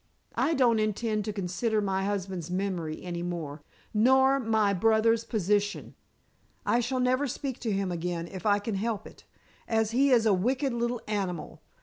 I don't intend to consider my husband's memory any more, nor my brother's position. I shall never speak to him again if I can help it, as he is a wicked little animal.